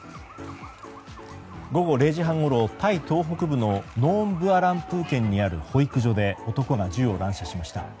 午後０時半ごろタイ東北部のノーンブアランプー県にある保育所で男が銃を乱射しました。